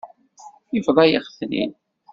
Yebḍa-yaɣ-ten-id.